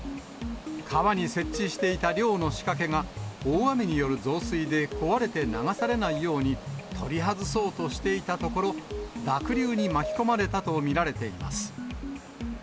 川に設置していた漁の仕掛けが、大雨による増水で壊れて流されないように、取り外そうとしていたところ、濁流に巻き込まれたと見られています。